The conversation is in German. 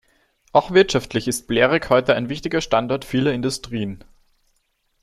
Auch wirtschaftlich ist Blerick heute ein wichtiger Standort vieler Industrien.